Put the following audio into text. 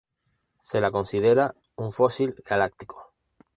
Se la considera un fósil galáctico.